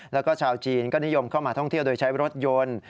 แล้วก็ชาวจีนก็นิยมเข้ามาท่องเที่ยวโดยใช้รถยนต์